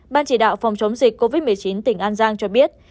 ban chỉ đạo phòng chống dịch covid một mươi chín tỉnh an giang cho biết